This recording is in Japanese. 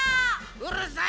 うるさい。